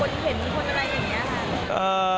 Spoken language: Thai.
คนเห็นคนอะไรอย่างนี้ครับ